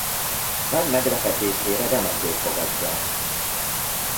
Nagy meglepetésére remekül fogadják.